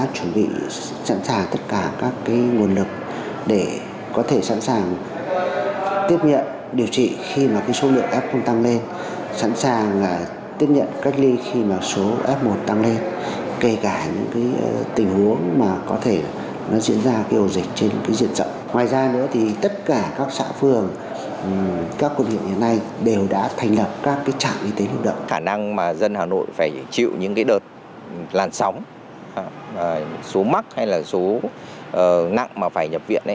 cả năng mà dân hà nội phải chịu những cái đợt làn sóng số mắc hay là số nặng mà phải nhập viện